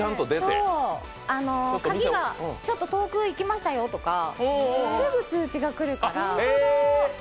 鍵がちょっと遠くへいきましたよとか、すぐ通知が来るから。